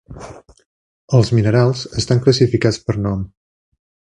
Els minerals estan classificats per nom.